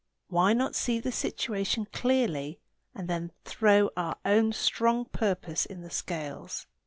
Why not see the situation clearly and then throw our own strong purpose in the scales?